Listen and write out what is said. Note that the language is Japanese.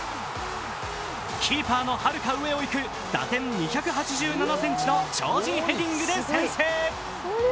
キーパーのはるか上をいく打点２８７ｃｍの超人ヘディングで先制。